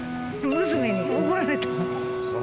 娘に怒られた。